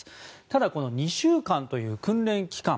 ただ、２週間という訓練期間